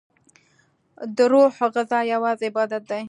دروح غذا یوازی عبادت دی